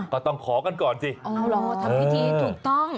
ก็ต้องขอกันก่อนสิอ๋อเหรอทำพิธีถูกต้อง